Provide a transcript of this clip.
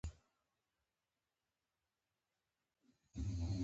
که ګاونډي ته زیان ورسېږي، ته یې مرسته وکړه